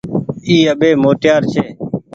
اي اٻي موٽيار ڇي۔